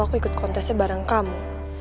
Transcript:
aku ikut kontesnya bareng kamu